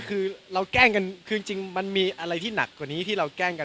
คือเราแกล้งกันคือจริงมันมีอะไรที่หนักกว่านี้ที่เราแกล้งกัน